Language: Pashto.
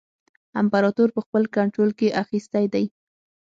امپراطور په خپل کنټرول کې اخیستی دی.